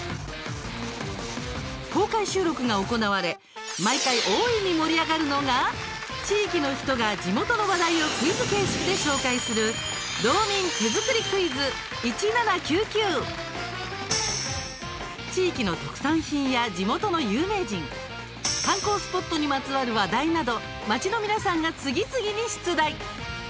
公開収録が行われ毎回、大いに盛り上がるのが地域の人が地元の話題をクイズ形式で紹介する「どうみん手作りクイズ１７９Ｑ」。地域の特産品や地元の有名人観光スポットにまつわる話題など町の皆さんが次々に出題。